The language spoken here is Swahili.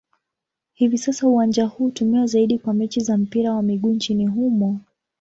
Hivi sasa uwanja huu hutumiwa zaidi kwa mechi za mpira wa miguu nchini humo.